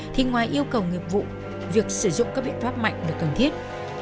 thì ngoài yêu cầu nghiệp vụ việc sử dụng các biện pháp mạnh là cần thiết